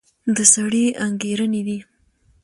د سړي انګېرنې دي.